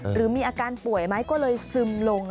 หรือมีอาการป่วยไหมก็เลยซึมลง